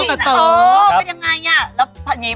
เป็นยังไงยะ